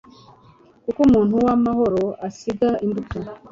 koko umuntu w'amahoro asiga imbuto